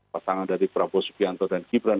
pasangan dari prabowo subianto dan gibran